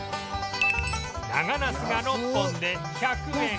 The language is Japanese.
長なすが６本で１００円